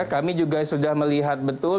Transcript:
kami juga sudah melihat betul